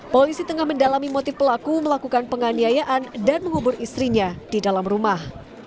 polisi tengah mendalami motif pelaku melakukan penganiayaan dan mengubur istrinya di dalam rumah